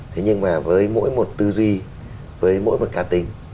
thế nhưng mà với mỗi một tư duy với mỗi một cá tính